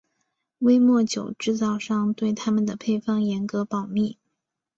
威末酒制造商对他们的配方严格保密。